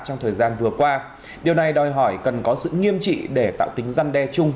trong thời gian vừa qua điều này đòi hỏi cần có sự nghiêm trị để tạo tính răn đe chung